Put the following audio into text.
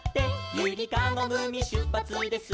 「ゆりかごぐみしゅっぱつです」